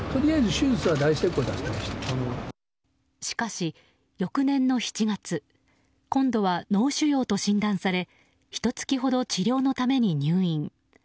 しかし翌年の７月今度は脳腫瘍と診断されひと月ほど治療のために入院。